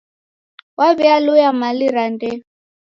W'aw'ialuya mali ra ndee.